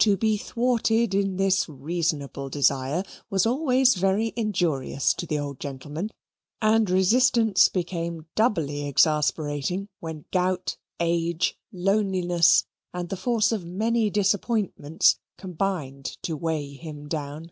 To be thwarted in this reasonable desire was always very injurious to the old gentleman; and resistance became doubly exasperating when gout, age, loneliness, and the force of many disappointments combined to weigh him down.